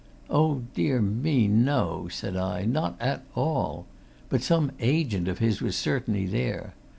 "Oh, dear me, no!" said I. "Not at all! But some agent of his was certainly there.